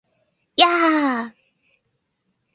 やー！！！